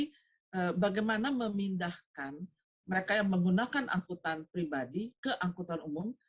tapi bagaimana memindahkan mereka yang menggunakan amputan pribadi ke amputan umum